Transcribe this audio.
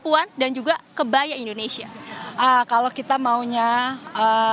hai dan juga kebaya indonesia ah kalau kita maunya kebaya itu dilestarikan pelestarian itu bukan di nama